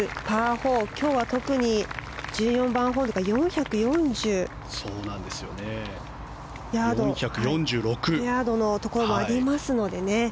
４今日は特に１４番ホールが４４６ヤードのところもありますので。